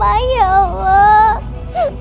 saturasi nya turun dok